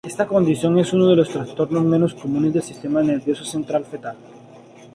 Esta condición es uno de los trastornos menos comunes del sistema nervioso central fetal.